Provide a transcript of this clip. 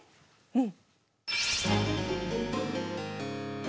うん。